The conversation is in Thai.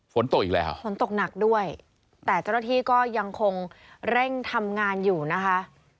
ฝนตกอีกแล้วฝนตกหนักด้วยแต่เจ้าหน้าที่ก็ยังคงเร่งทำงานอยู่นะคะ